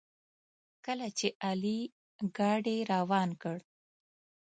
کله چې علي ګاډي روان کړ.